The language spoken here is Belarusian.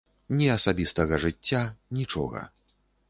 Ні асабістага жыцця, нічога.